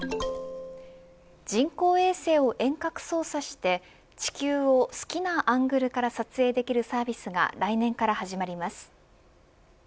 人工衛星を遠隔操作して地球を好きなアングルから撮影できるサービスが来年から始まります。